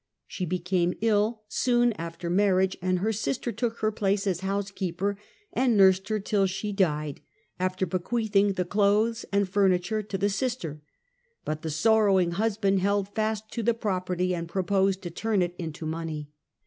She became ill soon after marriage, her sister took her place as house keeper and nursed her till she died, after bequeathing the clothes and furniture to the sister; but the sorrowing husband held fast to the property and proposed to turn it into money.